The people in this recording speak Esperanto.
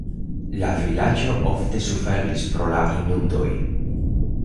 La vilaĝo ofte suferis pro la inundoj.